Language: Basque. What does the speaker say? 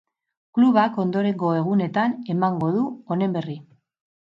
Klubak ondorengo egunetan emango du honen berri.